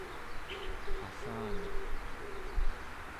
allaneq